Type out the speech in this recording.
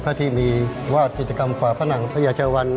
ก็ที่มีวาดจิตกรรมฝ่าผ้านังพระเยาะเชียววัน